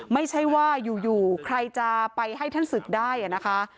ไม่ใช่ว่าอยู่ใครจะไปให้ท่านศึกได้นะคะ